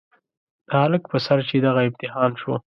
د هلک په سر چې دغه امتحان شو.